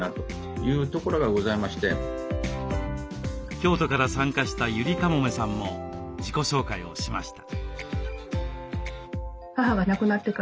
京都から参加したゆりかもめさんも自己紹介をしました。